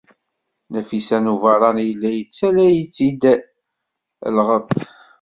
Nafisa n Ubeṛṛan yella yettaley-itt-id lɣeṭṭ.